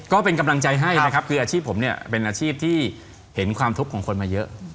ก็เป็นกำลังใจให้นะครับคืออาชีพผมเนี่ยเป็นอาชีพที่เห็นความทุกข์ของคนมาเยอะ